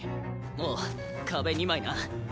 おう壁２枚な。